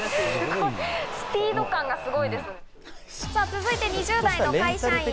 続いて２０代の会社員。